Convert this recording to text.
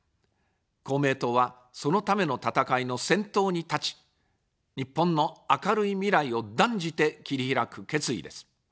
公明党は、そのための闘いの先頭に立ち、日本の明るい未来を断じて切り開く決意です。